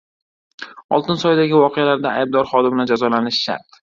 Oltinsoydagi voqealarda aybdor xodimlar jazolanishi shart!